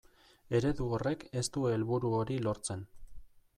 Eredu horrek ere ez du helburu hori lortzen.